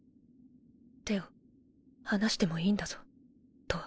手を離してもいいんだぞとわ。